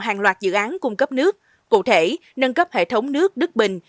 hàng loạt dự án cung cấp nước cụ thể nâng cấp hệ thống nước đức bình